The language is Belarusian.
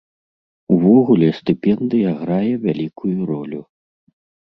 Увогуле стыпендыя грае вялікую ролю.